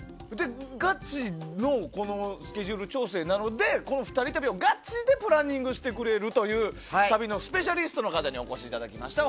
ガチのスケジュール調整なのでこの２人旅をガチでプランニングしてくれる旅のスペシャリストの方にお越しいただきました。